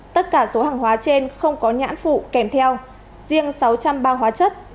tất cả số hàng hóa trên không có nhãn phụ kèm theo riêng sáu trăm linh bao hóa chất